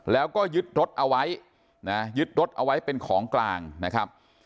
แล้วก็ยึดรถเอาไว้นะยึดรถเอาไว้เป็นของกลางนะครับ